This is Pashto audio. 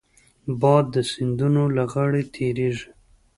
باد د سیندونو له غاړې تېرېږي